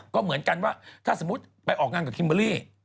ก็เหมือนกันว่าถ้าสมมุติไปออกงานกับคิมเบอร์รี่